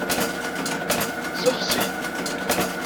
Sexsi.